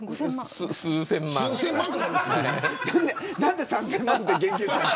何で３０００万って言及したの。